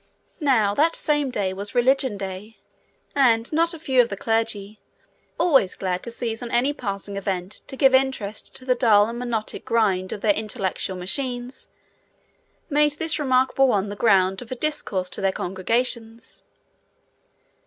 Now that same day was Religion day, and not a few of the clergy, always glad to seize on any passing event to give interest to the dull and monotonic grind of their intellectual machines, made this remarkable one the ground of discourse to their congregations.